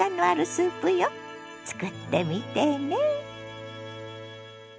作ってみてね。